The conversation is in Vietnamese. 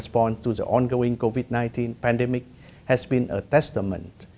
phù hợp với các cơ chế nhà nước mixed